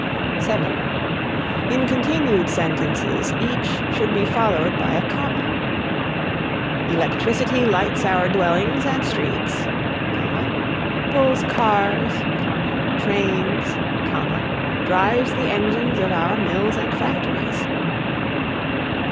(7) In continued sentences each should be followed by a comma: "Electricity lights our dwellings and streets, pulls cars, trains, drives the engines of our mills and factories."